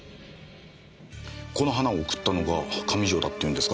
この花を贈ったのが上条だって言うんですか？